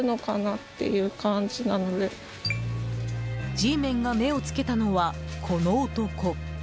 Ｇメンが目を付けたのはこの男。